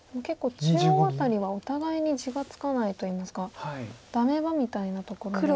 結構中央辺りはお互いに地がつかないといいますかダメ場みたいなところで。